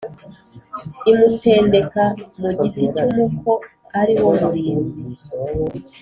imutendeka mu giti cy’umuko ari wo murinzi